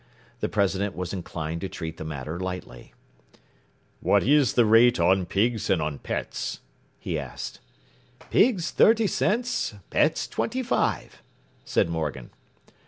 The president was inclined to treat the matter lightly. “What is the rate on pigs and on pets?” he asked. “Pigs thirty cents, pets twenty five,” said Morgan.